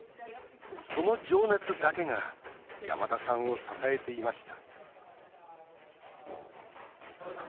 その情熱だけが山田さんを支えていました。